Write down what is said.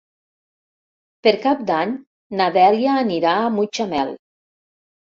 Per Cap d'Any na Dèlia anirà a Mutxamel.